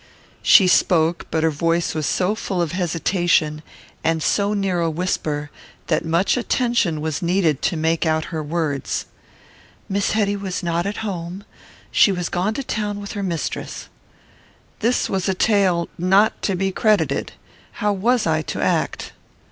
She spoke, but her voice was so full of hesitation, and so near a whisper, that much attention was needed to make out her words: Miss Hetty was not at home; she was gone to town with her mistress. This was a tale not to be credited. How was I to act?